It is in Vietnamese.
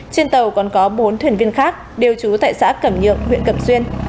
trên tàu còn có bốn thuyền viên khác đều trú tại xã cẩm nhượng huyện cẩm xuyên